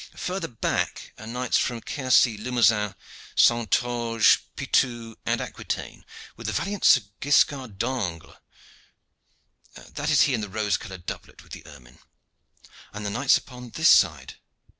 Further back are knights from Quercy, Limousin, Saintonge, Poitou, and Aquitaine, with the valiant Sir Guiscard d'Angle. That is he in the rose colored doublet with the ermine." "And the knights upon this side?"